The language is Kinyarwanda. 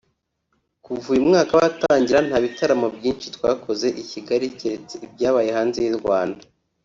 Kuva uyu mwaka watangira nta bitaramo byinshi twakoze i Kigali keretse ibyabaye hanze y’u Rwanda